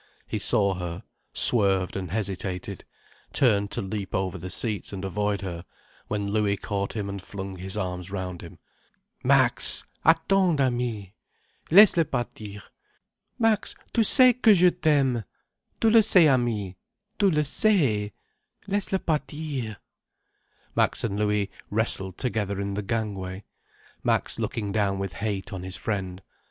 He saw her, swerved, and hesitated, turned to leap over the seats and avoid her, when Louis caught him and flung his arms round him. "Max—attends, ami! Laisse le partir. Max, tu sais que je t'aime. Tu le sais, ami. Tu le sais. Laisse le partir." Max and Louis wrestled together in the gangway, Max looking down with hate on his friend.